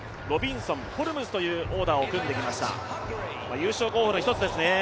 優勝候補の１つですね。